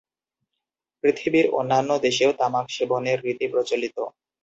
পৃথিবীর অন্যান্য দেশেও তামাক সেবনের রীতি প্রচলিত।